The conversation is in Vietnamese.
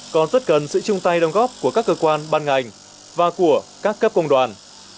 còn rất cần sự chung tay đồng góp của các cơ quan ban ngành và của các cấp công đoàn